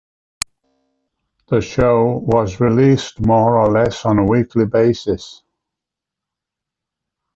The show was released more or less on a weekly basis.